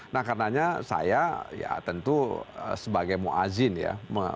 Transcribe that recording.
nah karenanya saya ya tentu sebagai muazzin ya